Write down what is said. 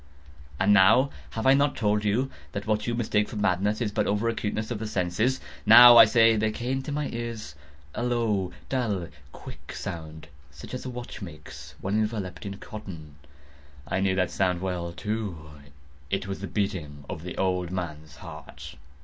And have I not told you that what you mistake for madness is but over acuteness of the sense?—now, I say, there came to my ears a low, dull, quick sound, such as a watch makes when enveloped in cotton. I knew that sound well, too. It was the beating of the old man's heart.